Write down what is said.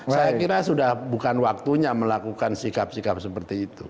saya kira sudah bukan waktunya melakukan sikap sikap seperti itu